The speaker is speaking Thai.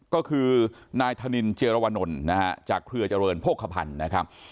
ก็คือนายธนินเจรวนลนะฮะจากเครือเจริญโภคภัณฑ์นะครับ